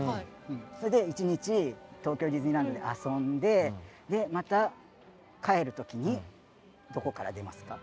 それで一日東京ディズニーランドで遊んででまた帰るときにどこから出ますか？